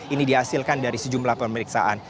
ini dihasilkan dari sejumlah pemeriksaan